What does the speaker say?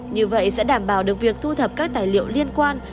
như vậy sẽ đảm bảo được việc thu thập các tài liệu liên quan